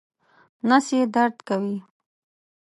نس یې درد کوي